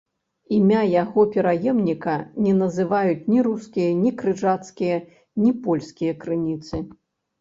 Імя яго пераемніка не называюць ні рускія, ні крыжацкія, ні польскія крыніцы.